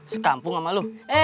sekampung sama lu